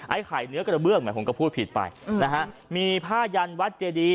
ไอ้ไข่เนื้อกระเบื้องหมายความก็พูดผิดไปอืมนะฮะมีผ้ายันวัดเจดี